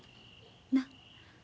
なっ？